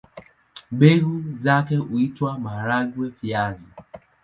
Mbegu zake huitwa maharagwe-viazi.